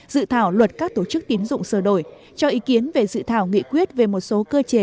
dự thảo luật các tổ chức tín dụng sửa đổi cho ý kiến về dự thảo nghị quyết về một số cơ chế